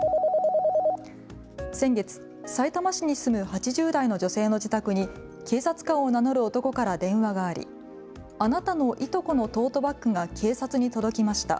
先月、さいたま市に住む８０代の女性の自宅に警察官を名乗る男から電話がありあなたのいとこのトートバッグが警察に届きました。